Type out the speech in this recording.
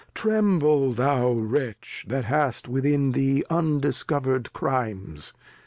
Tremble thou Wretch, That hast within thee undiscover'd Crimes